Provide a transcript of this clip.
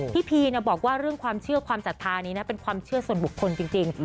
พีบอกว่าเรื่องความเชื่อความศรัทธานี้นะเป็นความเชื่อส่วนบุคคลจริง